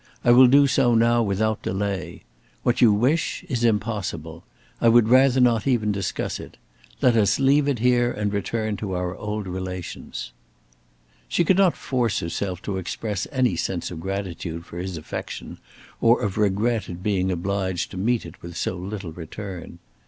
I will do so now without delay. What you wish is impossible. I would rather not even discuss it. Let us leave it here and return to our old relations." She could not force herself to express any sense of gratitude for his affection, or of regret at being obliged to meet it with so little return.